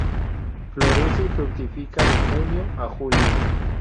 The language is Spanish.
Florece y fructifica de junio a julio.